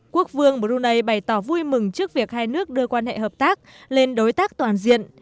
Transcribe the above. quốc vương brunei bày tỏ vui mừng trước việc hai nước đưa quan hệ hợp tác lên đối tác toàn diện